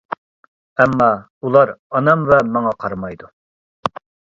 ئەمما ئۇلار ئانام ۋە ماڭا قارىمايدۇ.